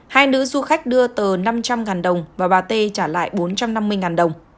hai nữ du khách đưa tờ năm trăm linh đồng và bà tê trả lại bốn trăm năm mươi đồng